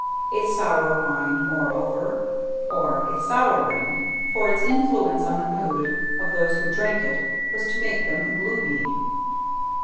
A sour wine, moreover, or a souring, for its influence on the mood of those who drank it was to make them gloomy.